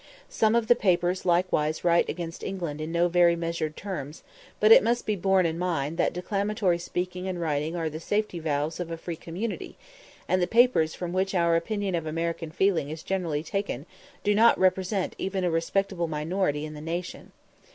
Some of the papers likewise write against England in no very measured terms; but it must be borne in mind that declamatory speaking and writing are the safety valves of a free community, and the papers from which our opinion of American feeling is generally taken do not represent even a respectable minority in the nation.